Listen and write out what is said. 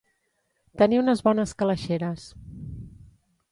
Tenir unes bones calaixeres.